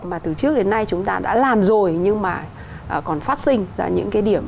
mà từ trước đến nay chúng ta đã làm rồi nhưng mà còn phát sinh ra những cái điểm